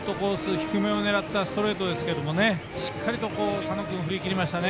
低めを狙ったストレートですけどしっかりと、佐野君振り切りましたね。